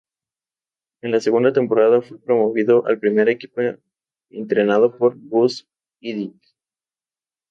En la segunda temporada fue promovido al primer equipo, entrenado por Guus Hiddink.